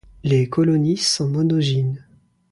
Les colonies sont monogynes.